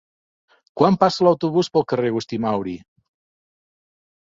Quan passa l'autobús pel carrer Agustí Mauri?